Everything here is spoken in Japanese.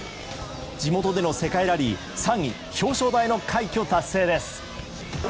地元での世界ラリー３位表彰台の快挙達成です。